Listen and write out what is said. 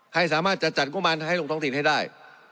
ให้สามารถจะจัดงบมารให้ลงท้องถิ่นให้ได้